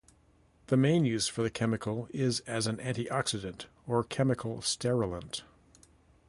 The main use for the chemical is as an antioxidant or chemical sterilant.